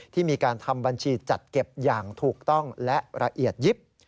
ที่มีการทำบัญชีจัดเก็บอย่างถูกต้องและละเอียดยิบ